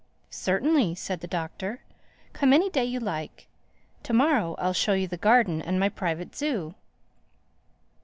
"Certainly," said the Doctor. "Come any day you like. To morrow I'll show you the garden and my private zoo."